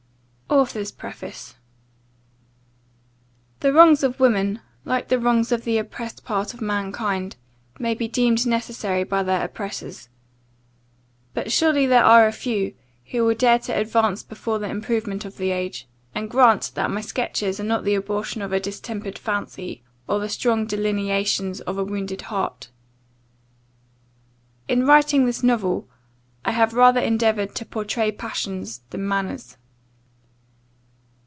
AUTHOR'S PREFACE THE WRONGS OF WOMAN, like the wrongs of the oppressed part of mankind, may be deemed necessary by their oppressors: but surely there are a few, who will dare to advance before the improvement of the age, and grant that my sketches are not the abortion of a distempered fancy, or the strong delineations of a wounded heart. In writing this novel, I have rather endeavoured to pourtray passions than manners.